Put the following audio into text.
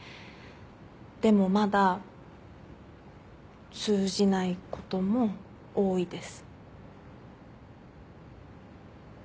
でもまだ通じないことも多いです。